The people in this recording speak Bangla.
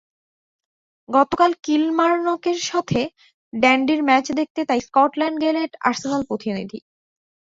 গতকাল কিলমারনকের সঙ্গে ডান্ডির ম্যাচ দেখতে তাই স্কটল্যান্ড গেলেন আর্সেনাল প্রতিনিধি।